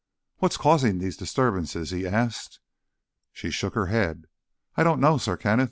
"What's causing these disturbances?" he asked. She shook her head. "I don't know, Sir Kenneth.